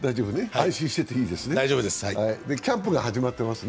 安心していていいですね？